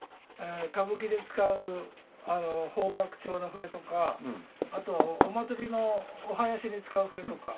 歌舞伎で使う邦楽調の笛とかあとお祭りのお囃子に使う笛とか。